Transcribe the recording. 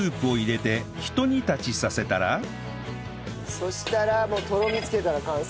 そうしたらもうとろみつけたら完成。